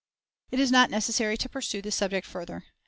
It is not necessary to pursue this subject further.